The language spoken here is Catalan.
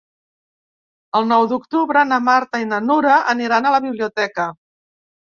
El nou d'octubre na Marta i na Nura aniran a la biblioteca.